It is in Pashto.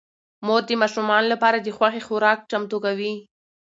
مور د ماشومانو لپاره د خوښې خوراک چمتو کوي